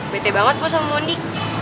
bete banget kok sama mondi